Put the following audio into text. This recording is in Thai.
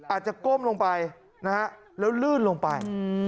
อาจจะก้มลงไปแล้วลื่นลงไป